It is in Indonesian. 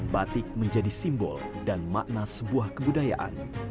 batik menjadi simbol dan makna sebuah kebudayaan